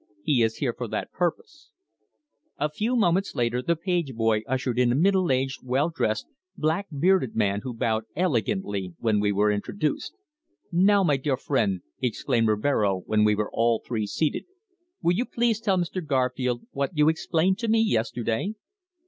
He is here for that purpose." A few moments later the page boy ushered in a middle aged, well dressed, black bearded man who bowed elegantly when we were introduced. "Now, my dear friend," exclaimed Rivero, when we were all three seated. "Will you please tell Mr. Garfield what you explained to me yesterday."